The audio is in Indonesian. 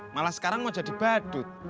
malah sekarang mau jadi badut